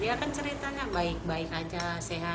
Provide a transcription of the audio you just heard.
dia kan ceritanya baik baik aja sehat